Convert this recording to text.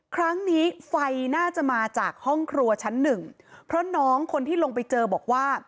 ครั้งนี้ไฟน่าจะมาจากห้องครัวชั้นหนึ่งเพราะน้องคนที่ลงไปเจอบอกว่า